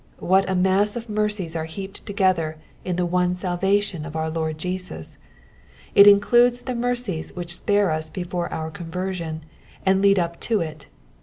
What a mass of mercies are heaped together in the one salvation of our Lord Jesus 1 It includes the mercies which spare us before our conversion, and lead up to it.